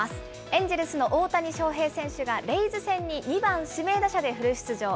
エンジェルスの大谷翔平選手がレイズ戦に２番指名打者でフル出場。